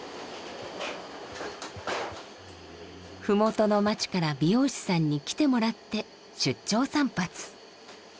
麓の町から美容師さんに来てもらって出張散髪。